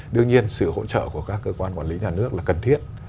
đương nhiên sự hỗ trợ của các cơ quan quản lý nhà nước là cần thiết